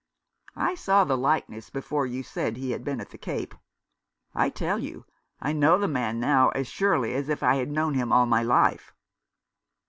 " I saw the likeness before you said he had been at the Cape. I tell you, I know the man now, as surely as if I had known him all my life."